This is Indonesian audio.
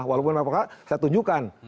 walaupun saya tunjukkan